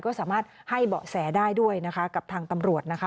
ก็สามารถให้เบาะแสได้ด้วยนะคะกับทางตำรวจนะคะ